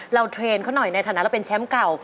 เทรนด์เขาหน่อยในฐานะเราเป็นแชมป์เก่า